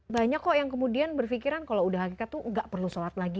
banyak kok yang kemudian berpikiran kalau sudah hakikat itu tidak perlu shalat lagi